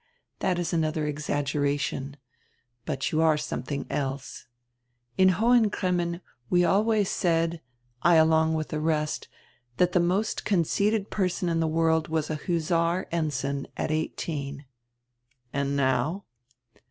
That is another exaggeration. But you are some thing else. In Hohen Cremmen we always said, I along with the rest, that the most conceited person in the world was a hussar ensign at eighteen." "And now?"